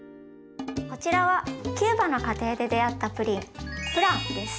こちらはキューバの家庭で出会ったプリンフランです。